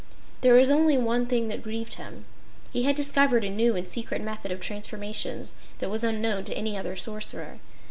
There was only one thing that grieved him. He had discovered a new and secret method of transformations that was unknown to any other Sorcerer.